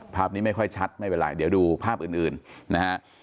ภาพนี้ไม่ค่อยชัดไม่เป็นไรเดี๋ยวดูภาพอื่นนะฮะ